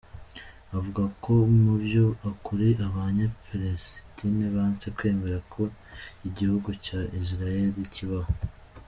Avuga ko muvyo ukuri abanye Palestine banse kwemera ko igihugu ca Israel kibaho.